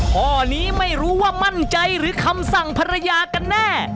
ข้อนี้ไม่รู้ว่ามั่นใจหรือคำสั่งภรรยากันแน่